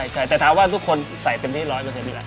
ใช่แต่ถามว่าทุกคนใส่เป็นที่ร้อยก็เสร็จดีละ